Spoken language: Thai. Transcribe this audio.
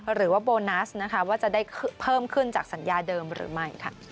หรือว่าโบนัสนะคะว่าจะได้เพิ่มขึ้นจากสัญญาเดิมหรือไม่